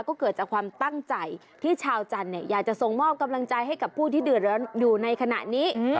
ก็เกิดจากความตั้งใจที่ชาวจันทร์อยากจะส่งมอบกำลังใจให้กับผู้ที่เดือดร้อนอยู่ในขณะนี้